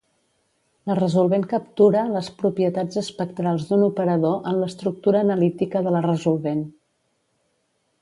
La resolvent captura les propietats espectrals d'un operador en l'estructura analítica de la resolvent.